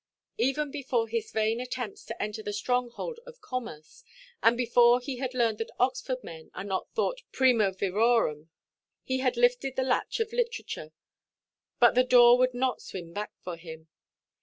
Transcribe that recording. Even before his vain attempts to enter the stronghold of commerce, and before he had learned that Oxford men are not thought "prima virorum," he had lifted the latch of literature, but the door would not swing back for him.